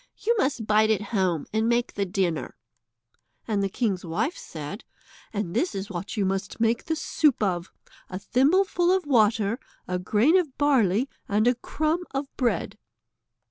You must bide at home and make the dinner." And the king's wife said: "And this is what you must make the soup of, a thimbleful of water, a grain of barley, and a crumb of bread."